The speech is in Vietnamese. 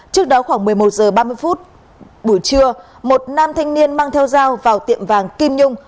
trước đó khoảng một mươi một h ba mươi phút buổi trưa một nam thanh niên mang theo dao vào tiệm vàng kim nhung